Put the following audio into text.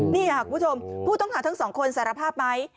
นี่ค่ะคุณผู้ชมผู้ต้องหาทั้งสองคนสารภาพไหม